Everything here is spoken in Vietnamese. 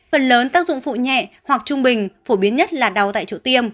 phần lớn tác dụng phụ nhẹ hoặc trung bình phổ biến nhất là đau tại chỗ tiêm